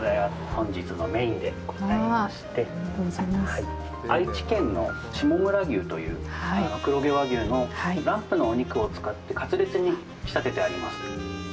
本日のメインでございまして愛知県の下村牛という黒毛和牛のランプのお肉を使ってカツレツに仕立ててあります。